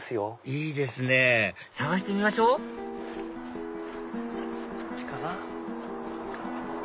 いいですね探してみましょうこっちかな。